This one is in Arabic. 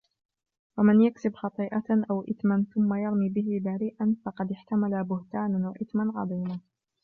وَمَنْ يَكْسِبْ خَطِيئَةً أَوْ إِثْمًا ثُمَّ يَرْمِ بِهِ بَرِيئًا فَقَدِ احْتَمَلَ بُهْتَانًا وَإِثْمًا مُبِينًا